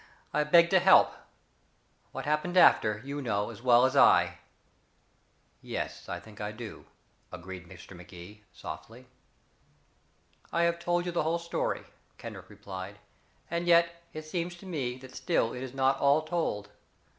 I begged to help. What happened after, you know as well as I." "Yes, I think I do," agreed Mr. Magee softly. "I have told you the whole story," Kendrick replied, "and yet it seems to me that still it is not all told.